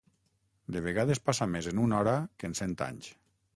De vegades passa més en una hora que en cent anys.